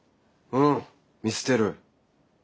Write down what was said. うん見捨てる。